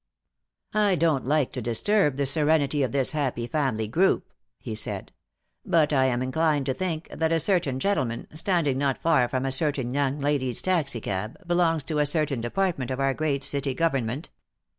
"I don't like to disturb the serenity of this happy family group," he said, "but I am inclined to think that a certain gentleman, standing not far from a certain young lady's taxicab, belongs to a certain department of our great city government.